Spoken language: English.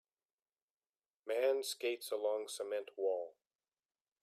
Man skates along cement wall